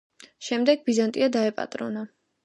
შემდეგ ბიზანტია დაეპატრონა.